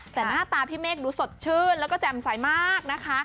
แต่หน้าตาพี่เมฆดูสดชื่นแล้วก็แจ่มใสมากนะคะ